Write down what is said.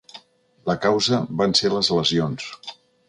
La causa van ser les lesions.